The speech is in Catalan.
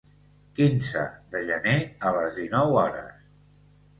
Quinze de gener a les dinou hores.